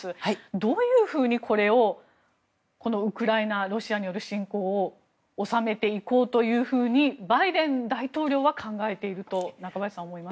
どういうふうにこれをウクライナロシアによる侵攻を収めていこうというふうにバイデン大統領は考えていると思いますか？